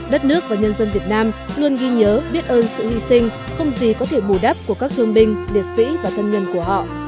đất nước và nhân dân việt nam luôn ghi nhớ biết ơn sự hy sinh không gì có thể bù đắp của các thương binh liệt sĩ và thân nhân của họ